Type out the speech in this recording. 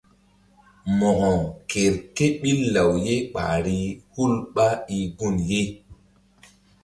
Mo̧ko ker ké ɓil law ye ɓahri hul ɓá i gun ye.